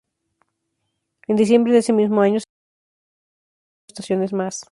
En diciembre de ese mismo año se añadieron al recorrido cuatro estaciones más.